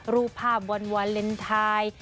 รูปภาพวันวาเลนไทย